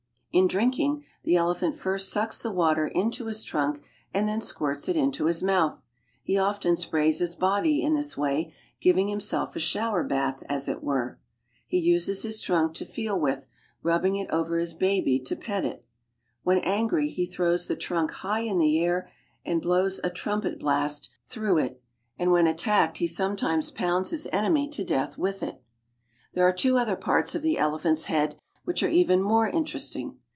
In drinking, the elephant first sucks the water into i trunk, and then squirts it into his mouth. He often jepiays his body in this way, giving himself a shower ath as it were. He uses his trunk to feel with, rubbing it over his baby to pet it. When angry he throws the trunk high into the air and blows a trumpet blast through I 152 r" It, and when attacked he sometimes pounds his enemy to death with it. There are two other parts of the elephant's head which are even more interesting.